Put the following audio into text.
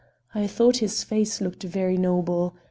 I thought his face looked very noble.